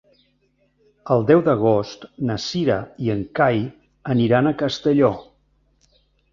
El deu d'agost na Cira i en Cai aniran a Castelló.